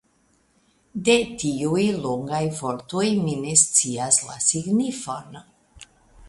De tiuj longaj vortoj mi ne scias la signifon.